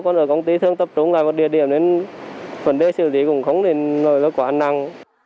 còn ở công ty thường tập trung là một địa điểm nên phần đề xử lý cũng không nên nói là quá năng